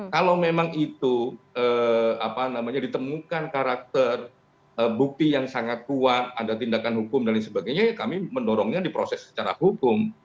kalau memang itu ditemukan karakter bukti yang sangat kuat ada tindakan hukum dan lain sebagainya ya kami mendorongnya diproses secara hukum